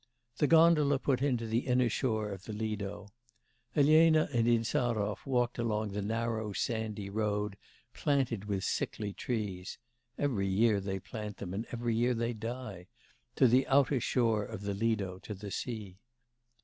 The gondola put in to the inner shore of the Lido. Elena and Insarov walked along the narrow sandy road planted with sickly trees (every year they plant them and every year they die) to the outer shore of the Lido, to the sea.